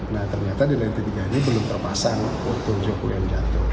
nah ternyata di lantai tiga ini belum terpasang untuk joko yang jatuh